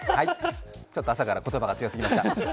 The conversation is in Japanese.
ちょっと朝から言葉が強すぎました。